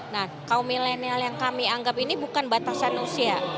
nah kaum milenial yang kami anggap ini bukan batasan usia